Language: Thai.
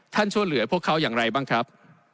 ช่วยเหลือพวกเขาอย่างไรบ้างครับ